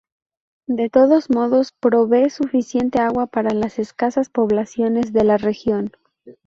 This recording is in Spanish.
De todos modos, provee suficiente agua para las escasas poblaciones de la región.